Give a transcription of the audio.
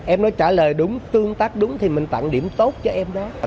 em nó trả lời đúng tương tác đúng thì mình tặng điểm tốt cho em đó